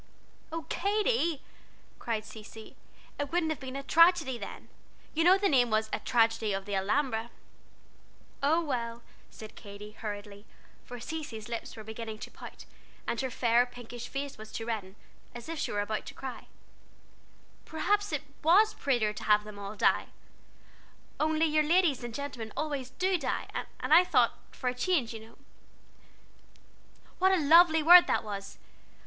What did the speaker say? "Why, Katy!" cried Cecy, "it wouldn't have been a tragedy then. You know the name was A Tragedy of the Alhambra." "Oh, well," said Katy, hurriedly, for Cecy's lips were beginning to pout, and her fair, pinkish face to redden, as if she were about to cry; "perhaps it was prettier to have them all die; only I thought, for a change, you know! What a lovely word that was